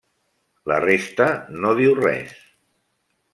La resta no diu res.